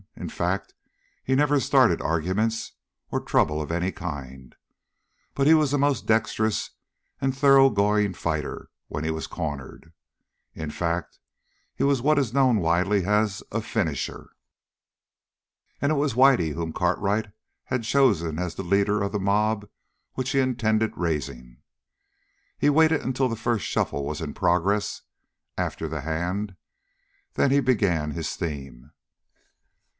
In fact he never started arguments or trouble of any kind; but he was a most dexterous and thoroughgoing fighter when he was cornered. In fact he was what is widely known as a "finisher." And it was Whitey whom Cartwright had chosen as the leader of the mob which he intended raising. He waited until the first shuffle was in progress after the hand, then he began his theme.